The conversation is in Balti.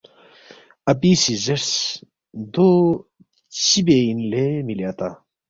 اپی سی زیرس، ”دو چِہ بے اِن لے مِلی اتا؟“